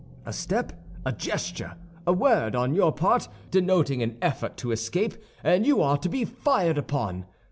A step, a gesture, a word, on your part, denoting an effort to escape, and you are to be fired upon.